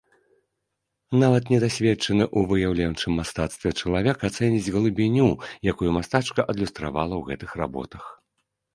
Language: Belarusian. Нават недасведчаны ў выяўленчым мастацтве чалавек ацэніць глыбіню, якую мастачка адлюстравала ў гэтых работах.